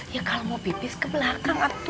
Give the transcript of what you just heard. ya kalau mau pipis ke belakang